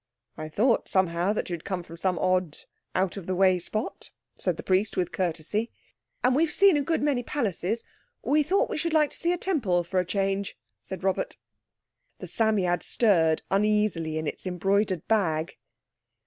"I thought somehow that you'd come from some odd, out of the way spot," said the priest with courtesy. "And we've seen a good many palaces. We thought we should like to see a Temple, for a change," said Robert. The Psammead stirred uneasily in its embroidered bag.